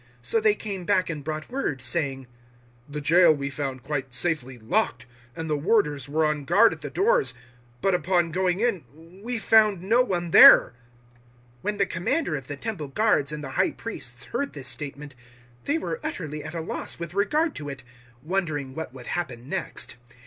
So they came back and brought word, 005:023 saying, "The jail we found quite safely locked, and the warders were on guard at the doors, but upon going in we found no one there." 005:024 When the Commander of the Temple Guards and the High Priests heard this statement, they were utterly at a loss with regard to it, wondering what would happen next.